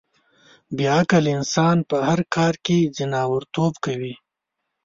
بې عقل انسانان په هر کار کې ځناورتوب کوي.